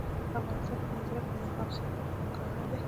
د افغانستان په منظره کې مورغاب سیند ښکاره دی.